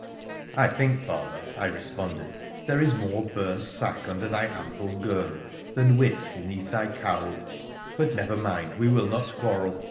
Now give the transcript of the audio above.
' 'I think, Father,' I responded, 'there is more burnt sack under thy ample girdle than wit beneath thy cowl. But never mind, we will not quarrel.